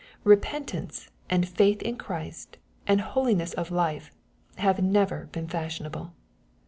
Bepentance, and faith in Christ, and holiness of life, have never been fashionable.